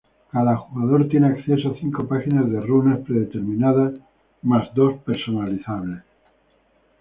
Cada jugador tiene acceso a cinco páginas de runas predeterminadas más dos personalizables.